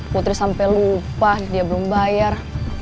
putri sampai lupa dia belum bayar